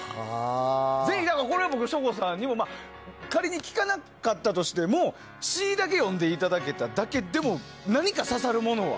ぜひ、これは省吾さんにも。仮に聴かなかったとしても詞だけ読んでいただけただけでも何か刺さるものは。